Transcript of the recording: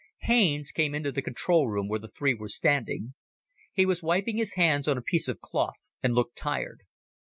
Haines came into the control room where the three were standing. He was wiping his hands on a piece of cloth, and looked tired.